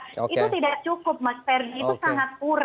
itu tidak cukup mas ferdi itu sangat kurang